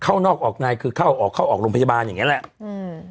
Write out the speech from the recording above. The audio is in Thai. เข้านอกออกนายคือเข้าออกเข้าออกโรงพยาบาลอย่างเงี้แหละอืม